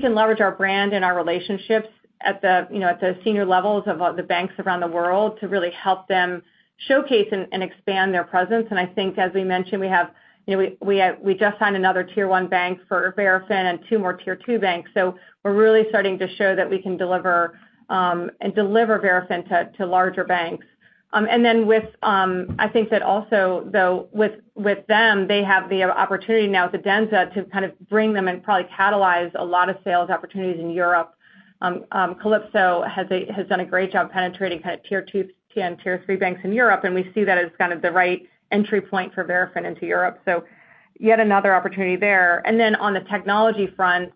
can leverage our brand and our relationships at the, you know, at the senior levels of the banks around the world to really help them showcase and expand their presence. I think, as we mentioned, we have, you know, we just signed another Tier One bank for Verafin and two more Tier Two banks. We're really starting to show that we can deliver and deliver Verafin to larger banks. Then with, I think that also, though, with them, they have the opportunity now with Adenza to kind of bring them and probably catalyze a lot of sales opportunities in Europe. Calypso has done a great job penetrating kind of Tier Two and Tier Three banks in Europe, we see that as kind of the right entry point for Verafin into Europe, so yet another opportunity there. Then on the technology front,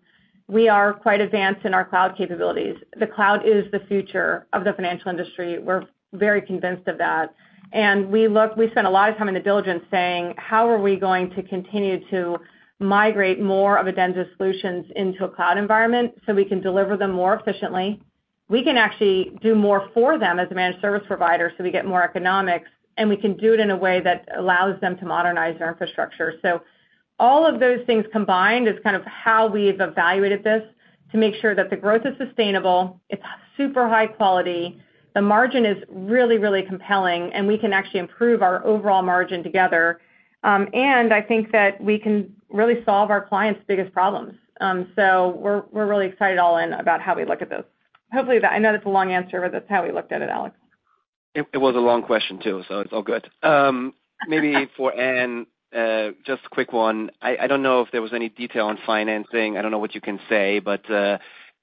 we are quite advanced in our cloud capabilities. The cloud is the future of the financial industry. We're very convinced of that. We spend a lot of time in the diligence saying: How are we going to continue to migrate more of Adenza solutions into a cloud environment, so we can deliver them more efficiently? We can actually do more for them as a managed service provider, so we get more economics, and we can do it in a way that allows them to modernize their infrastructure. All of those things combined is kind of how we've evaluated this to make sure that the growth is sustainable, it's super high quality, the margin is really, really compelling, and we can actually improve our overall margin together. I think that we can really solve our clients' biggest problems. We're really excited all in about how we look at this. Hopefully, I know that's a long answer, but that's how we looked at it, Alex.... It was a long question, too, so it's all good. Maybe for Ann, just a quick one. I don't know if there was any detail on financing. I don't know what you can say, but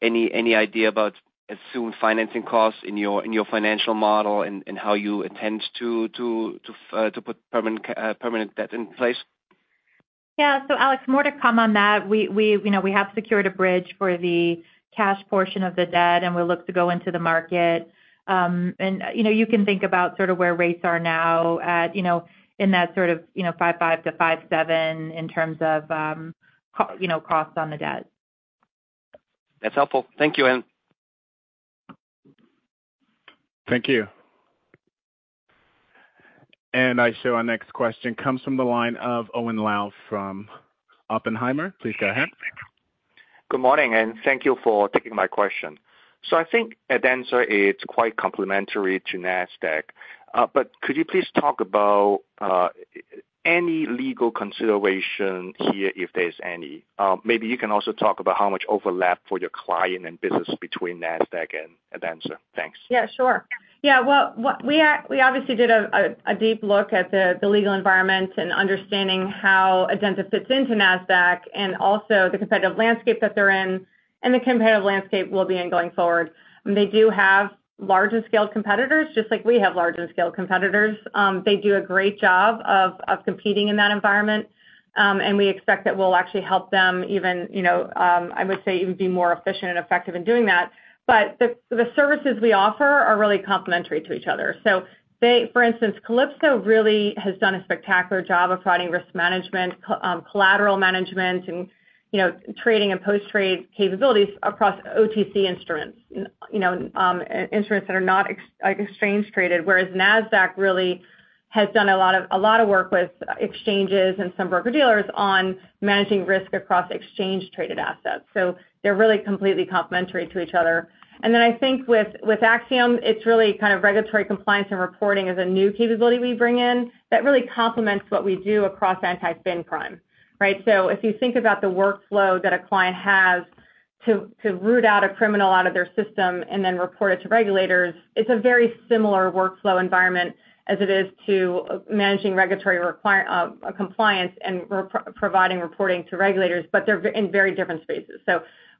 any idea about assumed financing costs in your financial model and how you intend to put permanent debt in place? Yeah. Alex, more to come on that. We, you know, we have secured a bridge for the cash portion of the debt, and we'll look to go into the market. You know, you can think about sort of where rates are now at, you know, in that sort of, you know, 5.5%-5.7% in terms of, you know, costs on the debt. That's helpful. Thank you, Ann. Thank you. I show our next question comes from the line of Owen Lau from Oppenheimer. Please go ahead. Good morning, and thank you for taking my question. I think Adenza is quite complementary to Nasdaq. Could you please talk about any legal consideration here, if there's any? You can also talk about how much overlap for your client and business between Nasdaq and Adenza? Thanks. Yeah, sure. Yeah, well, what we obviously did a deep look at the legal environment and understanding how Adenza fits into Nasdaq and also the competitive landscape that they're in and the competitive landscape we'll be in going forward. They do have larger-scale competitors, just like we have larger-scale competitors. They do a great job of competing in that environment, and we expect that we'll actually help them even, you know, I would say, even be more efficient and effective in doing that. The services we offer are really complementary to each other. They, for instance, Calypso really has done a spectacular job of providing risk management, collateral management and, you know, trading and post-trade capabilities across OTC instruments, you know, instruments that are not exchange traded, whereas Nasdaq really has done a lot of work with exchanges and some broker-dealers on managing risk across exchange-traded assets. They're really completely complementary to each other. I think with Axiom, it's really kind of regulatory compliance and reporting is a new capability we bring in that really complements what we do across anti-fin crime, right? If you think about the workflow that a client has to root out a criminal out of their system and then report it to regulators, it's a very similar workflow environment as it is to managing regulatory compliance and providing reporting to regulators, but they're in very different spaces.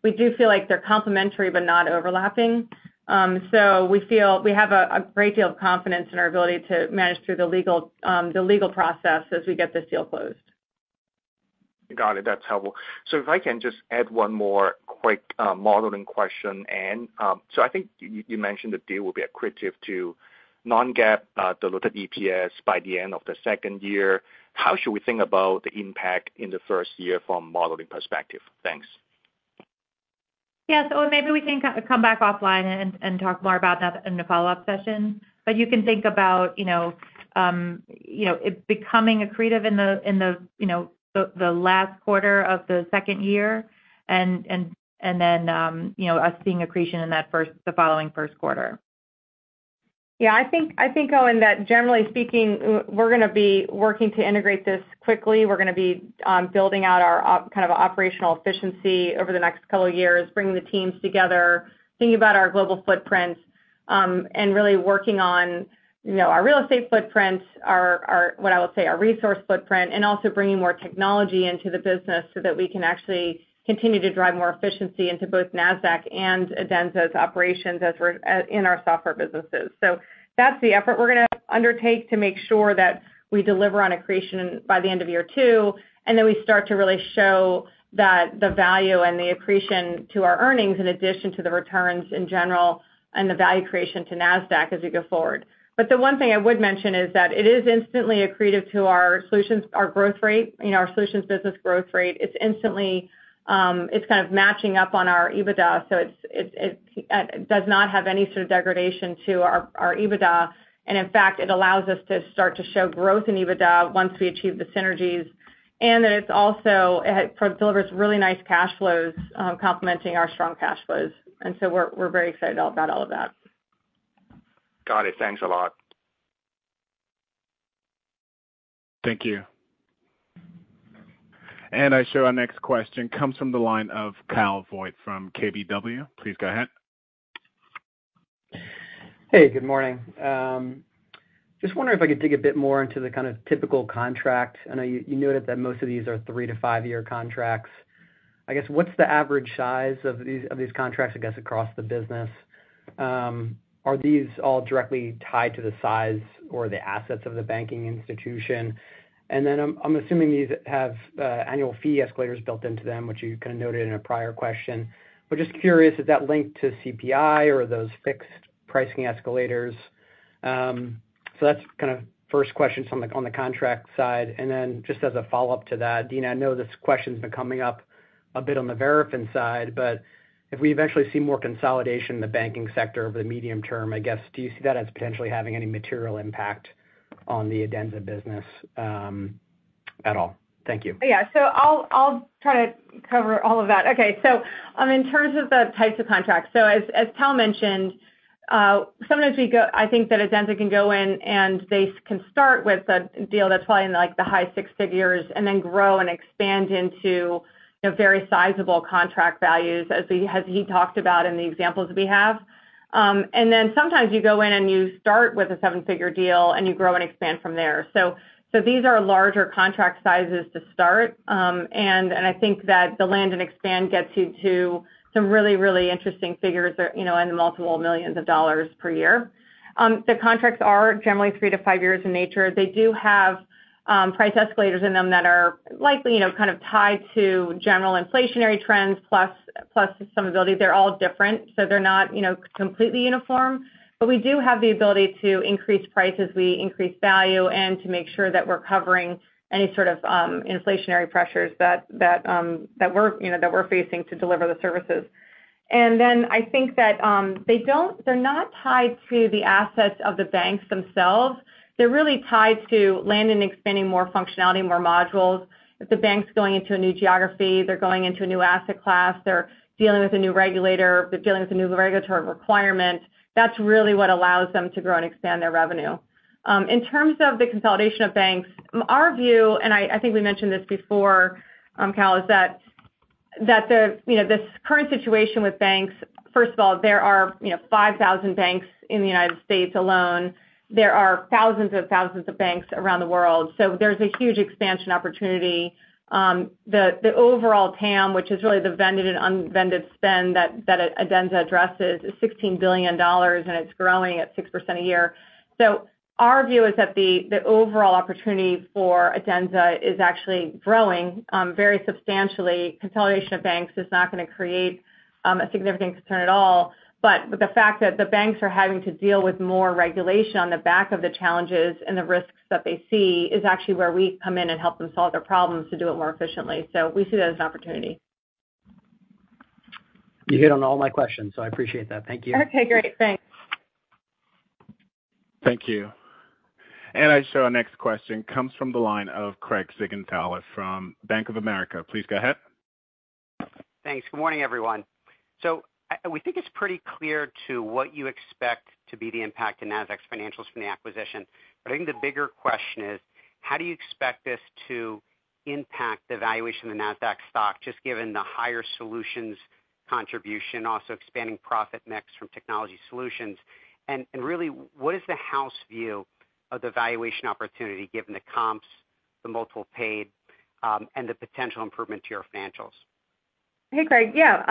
We do feel like they're complementary but not overlapping. We feel we have a great deal of confidence in our ability to manage through the legal, the legal process as we get this deal closed. Got it. That's helpful. If I can just add one more quick modeling question, Ann. I think you mentioned the deal will be accretive to non-GAAP diluted EPS by the end of the second year. How should we think about the impact in the first year from a modeling perspective? Thanks. Yeah. Maybe we can come back offline and talk more about that in the follow-up session. You can think about, you know, you know, it becoming accretive in the, you know, the last quarter of the second year and then, you know, us seeing accretion in that first, the following first quarter. I think, Owen, that generally speaking, we're gonna be working to integrate this quickly. We're gonna be building out our kind of operational efficiency over the next couple of years, bringing the teams together, thinking about our global footprints, and really working on, you know, our real estate footprints, what I would say, our resource footprint, and also bringing more technology into the business so that we can actually continue to drive more efficiency into both Nasdaq and Adenza's operations as we're in our software businesses. That's the effort we're gonna undertake to make sure that we deliver on accretion by the end of year two, and then we start to really show that the value and the accretion to our earnings, in addition to the returns in general and the value creation to Nasdaq as we go forward. The one thing I would mention is that it is instantly accretive to our solutions, our growth rate, you know, our solutions business growth rate. It's instantly, it's kind of matching up on our EBITDA, so it's does not have any sort of degradation to our EBITDA. In fact, it allows us to start to show growth in EBITDA once we achieve the synergies. It's also delivers really nice cash flows, complementing our strong cash flows. We're very excited about all of that. Got it. Thanks a lot. Thank you. I show our next question comes from the line of Kyle Voigt from KBW. Please go ahead. Hey, good morning. Just wondering if I could dig a bit more into the kind of typical contract. I know you noted that most of these are three to five-year contracts. I guess, what's the average size of these contracts, I guess, across the business? Are these all directly tied to the size or the assets of the banking institution? I'm assuming these have annual fee escalators built into them, which you kind of noted in a prior question. Just curious, is that linked to CPI or are those fixed pricing escalators? That's kind of first question on the contract side. Just as a follow-up to that, Adena, I know this question's been coming up a bit on the Verafin side, but if we eventually see more consolidation in the banking sector over the medium term, I guess, do you see that as potentially having any material impact on the Adenza business? at all. Thank you. Yeah, I'll try to cover all of that. In terms of the types of contracts, as Tal mentioned, sometimes I think that Adenza can go in, and they can start with a deal that's probably in, like, the high six figures and then grow and expand into, you know, very sizable contract values, as he talked about in the examples we have. Sometimes you go in, and you start with a seven-figure deal, and you grow and expand from there. These are larger contract sizes to start, and I think that the land and expand gets you to some really, really interesting figures that, you know, in the multiple millions of dollars per year. The contracts are generally 3 years-5 years in nature. They do have price escalators in them that are likely, you know, kind of tied to general inflationary trends, plus some ability. They're all different, so they're not, you know, completely uniform. We do have the ability to increase price as we increase value and to make sure that we're covering any sort of inflationary pressures that we're, you know, that we're facing to deliver the services. I think that they're not tied to the assets of the banks themselves. They're really tied to land and expanding more functionality, more modules. If the bank's going into a new geography, they're going into a new asset class, they're dealing with a new regulator, they're dealing with a new regulatory requirement, that's really what allows them to grow and expand their revenue. In terms of the consolidation of banks, our view, and I think we mentioned this before, Cal, is that the, you know, this current situation with banks, first of all, there are, you know, 5,000 banks in the United States alone. There are thousands of banks around the world, so there's a huge expansion opportunity. The overall TAM, which is really the vended and unvended spend that Adenza addresses, is $16 billion, and it's growing at 6% a year. Our view is that the overall opportunity for Adenza is actually growing very substantially. Consolidation of banks is not gonna create a significant concern at all. The fact that the banks are having to deal with more regulation on the back of the challenges and the risks that they see is actually where we come in and help them solve their problems to do it more efficiently. We see that as an opportunity. You hit on all my questions, so I appreciate that. Thank you. Okay, great. Thanks. Thank you. I show our next question comes from the line of Craig Siegenthaler from Bank of America. Please go ahead. Thanks. Good morning, everyone. We think it's pretty clear to what you expect to be the impact to Nasdaq's financials from the acquisition. I think the bigger question is, how do you expect this to impact the valuation of the Nasdaq stock, just given the higher solutions contribution, also expanding profit mix from technology solutions? Really, what is the house view of the valuation opportunity given the comps, the multiple paid, and the potential improvement to your financials? Hey, Craig. Yeah,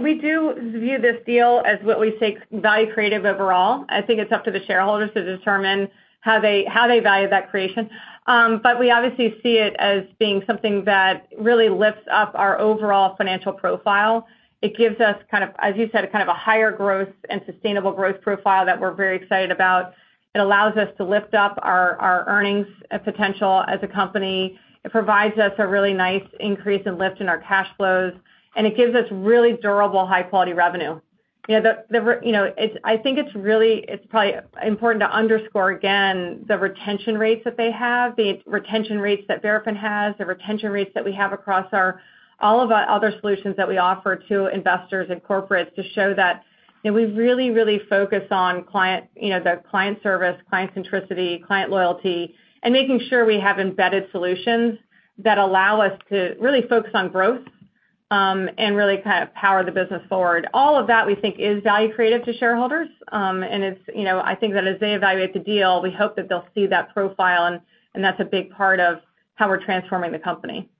we do view this deal as what we say value creative overall. I think it's up to the shareholders to determine how they value that creation. We obviously see it as being something that really lifts up our overall financial profile. It gives us kind of, as you said, a kind of a higher growth and sustainable growth profile that we're very excited about. It allows us to lift up our earnings potential as a company. It provides us a really nice increase in lift in our cash flows, and it gives us really durable, high-quality revenue. You know, I think it's really, it's probably important to underscore again, the retention rates that they have, the retention rates that Verafin has, the retention rates that we have across our, all of our other solutions that we offer to investors and corporates to show that, you know, we really focus on client, you know, the client service, client centricity, client loyalty, and making sure we have embedded solutions that allow us to really focus on growth, and really kind of power the business forward. All of that, we think, is value creative to shareholders. It's, you know, I think that as they evaluate the deal, we hope that they'll see that profile, and that's a big part of how we're transforming the company.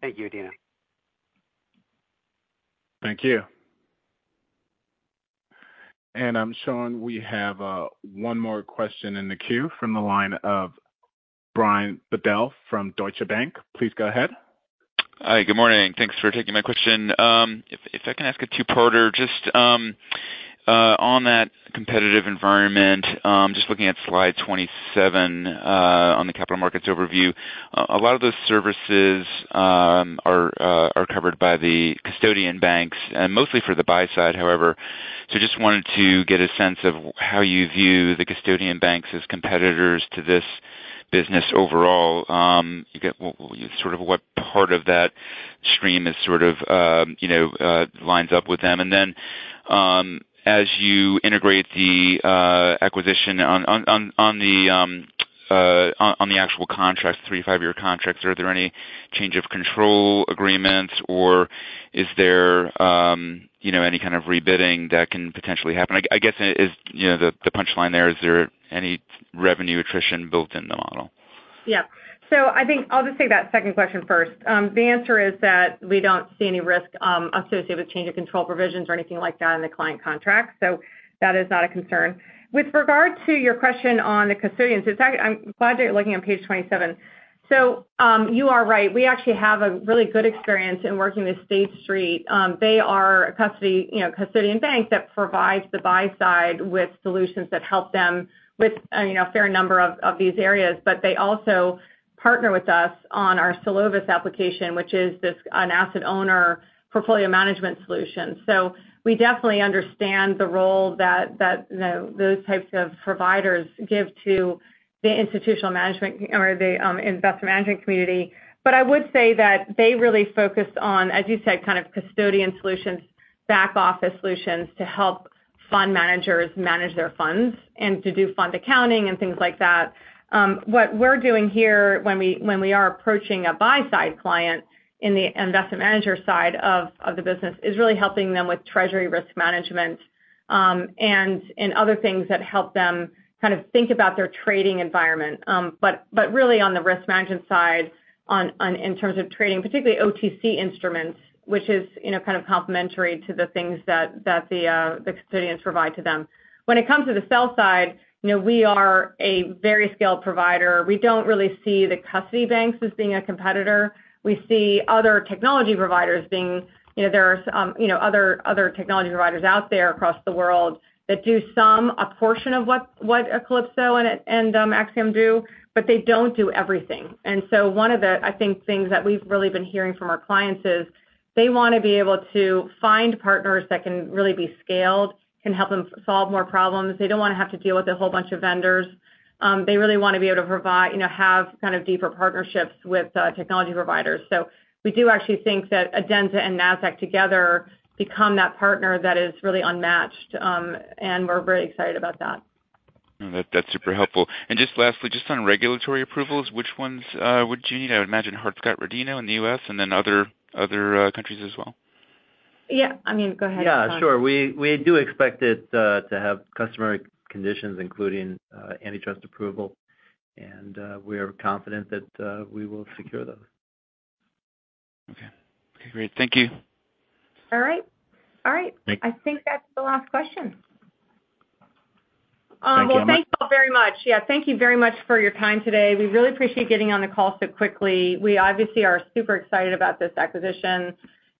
Thank you, Adena. Thank you. I'm showing we have, one more question in the queue from the line of Brian Bedell from Deutsche Bank. Please go ahead. Hi, good morning. Thanks for taking my question. If I can ask a two-parter, just on that competitive environment, just looking at slide 27 on the capital markets overview, a lot of those services are covered by the custodian banks, and mostly for the buy side, however. Just wanted to get a sense of how you view the custodian banks as competitors to this business overall. well, sort of what part of that stream is sort of, you know, lines up with them. Then, as you integrate the acquisition on the actual contracts, three, five-year contracts, are there any change of control agreements, or is there, you know, any kind of rebidding that can potentially happen? I guess, is, you know, the punchline there, is there any revenue attrition built in the model? Yeah. I think I'll just take that second question first. The answer is that we don't see any risk associated with change of control provisions or anything like that in the client contract, so that is not a concern. With regard to your question on the custodians, in fact, I'm glad that you're looking on page 27. You are right. We actually have a really good experience in working with State Street. They are a custody, you know, custodian bank that provides the buy side with solutions that help them with, you know, a fair number of these areas. They also partner with us on our Solovis application, which is this, an asset owner portfolio management solution. We definitely understand the role that those types of providers give to the institutional management or the investment management community. I would say that they really focus on, as you said, kind of custodian solutions, back-office solutions, to help fund managers manage their funds and to do fund accounting and things like that. What we're doing here when we are approaching a buy-side client in the investment manager side of the business, is really helping them with treasury risk management, and other things that help them kind of think about their trading environment. Really, on the risk management side, on in terms of trading, particularly OTC instruments, which is, you know, kind of complementary to the things that the custodians provide to them. When it comes to the sell side, you know, we are a very scaled provider. We don't really see the custody banks as being a competitor. We see other technology providers being, you know, there are some, you know, other technology providers out there across the world that do some, a portion of what Calypso and Axiom do, but they don't do everything. One of the, I think, things that we've really been hearing from our clients is, they wanna be able to find partners that can really be scaled, can help them solve more problems. They don't wanna have to deal with a whole bunch of vendors. They really wanna be able to provide, you know, have kind of deeper partnerships with, technology providers. We do actually think that Adenza and Nasdaq together become that partner that is really unmatched, and we're very excited about that. That's super helpful. Just lastly, just on regulatory approvals, which ones would you need? I would imagine Hart-Scott-Rodino in the U.S. and then other countries as well. Yeah, I mean, go ahead. Yeah, sure. We do expect it to have customary conditions, including antitrust approval, and we are confident that we will secure those. Okay. Great. Thank you. All right. All right. Thank- I think that's the last question. Thank you. Well, thanks all very much. Yeah, thank you very much for your time today. We really appreciate getting on the call so quickly. We obviously are super excited about this acquisition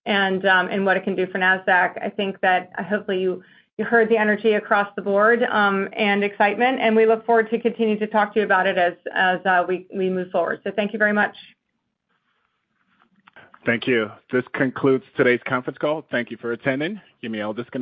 and what it can do for Nasdaq. I think that, hopefully you heard the energy across the board and excitement, and we look forward to continuing to talk to you about it as we move forward. Thank you very much. Thank you. This concludes today's conference call. Thank you for attending. You may all disconnect.